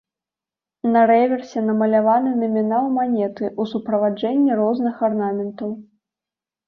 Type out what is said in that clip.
На рэверсе намаляваны намінал манеты ў суправаджэнні розных арнаментаў.